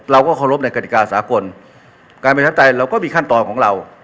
เราก็เคารพในกฎิกาสากลการประชาธิปไตยเราก็มีขั้นตอนของเรา